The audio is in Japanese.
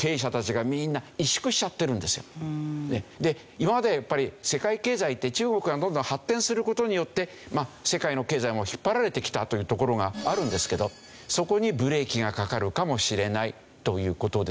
今までやっぱり世界経済って中国がどんどん発展する事によって世界の経済も引っ張られてきたというところがあるんですけどそこにブレーキがかかるかもしれないという事ですね。